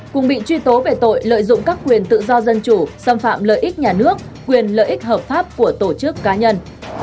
cùng bị truy tố về tội lợi dụng các quyền tự do dân chủ xâm phạm lợi ích nhà nước quyền lợi ích hợp pháp của tổ chức cá nhân